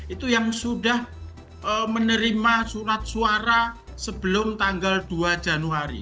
itu yang sudah menerima surat suara sebelum tanggal dua januari